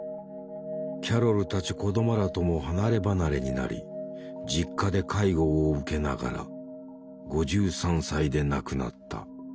キャロルたち子どもらとも離れ離れになり実家で介護を受けながら５３歳で亡くなった。